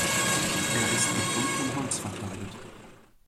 Er ist mit dunklem Holz verkleidet.